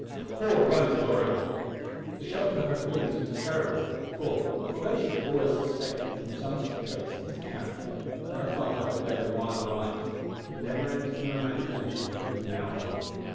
Poor Rose of Oregon! The shock to her feelings was terrible, for, although she had always suspected from some traits in his character that her father had led a wild life, it had never entered her imagination that he was an outlaw.